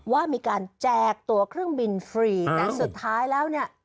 ว่ามีการแจกตัวเครื่องบินฟรีแต่สุดท้ายแล้วเนี่ย